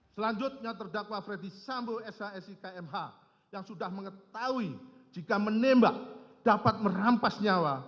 selanjutnya terdakwa ferdis sambo shsi kmh yang sudah mengetahui jika menembak dapat merampas nyawa